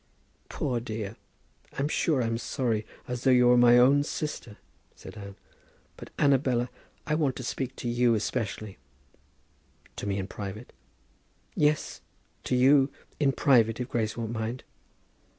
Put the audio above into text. "Poor dear, I'm sure I'm sorry as though she were my own sister," said Anne. "But, Annabella, I want to speak to you especially." "To me, in private?" "Yes, to you; in private, if Grace won't mind?"